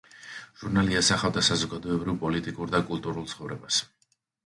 ჟურნალი ასახავდა საზოგადოებრივ-პოლიტიკურ და კულტურულ ცხოვრებას.